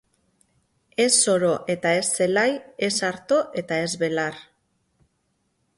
Ez soro eta ez zelai, ez arto eta ez belar.